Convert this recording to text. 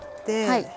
はい。